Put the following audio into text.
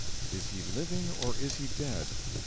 IS HE LIVING OR IS HE DEAD?